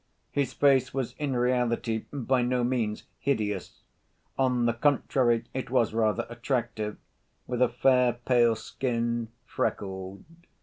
His face was in reality by no means "hideous"; on the contrary, it was rather attractive, with a fair, pale skin, freckled.